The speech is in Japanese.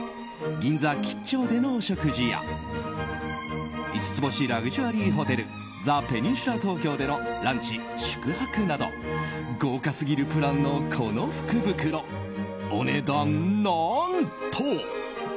銀座吉兆でのお食事や五つ星ラグジュアリーホテルザ・ペニンシュラ東京でのランチ、宿泊など豪華すぎるプランのこの福袋お値段何と。